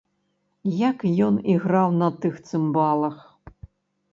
Як ён іграў на тых цымбалах!